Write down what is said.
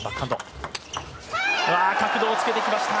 角度をつけてきました。